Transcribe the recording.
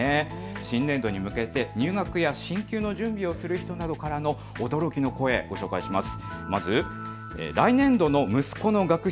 新年度に向けて入学や進級の準備をする方からの驚きの声、ご紹介します。